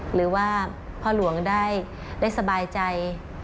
หรือว่าพ่อหลวงได้สบายใจ